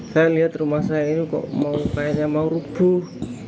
saya melihat rumah saya ini mau rubuh